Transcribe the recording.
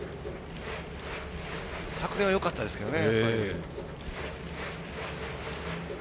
昨年はよかったですけどね。